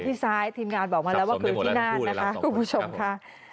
ที่ซ้ายทีมงานบอกมาแล้วว่าคือที่น่านนะคะคุณผู้ชมค่ะ